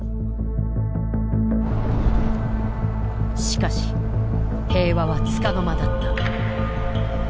しかし平和はつかの間だった。